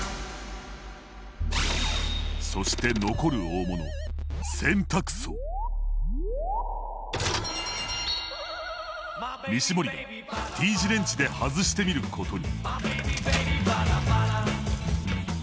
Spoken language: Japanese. そして残る大物西森がＴ字レンチで外してみることに。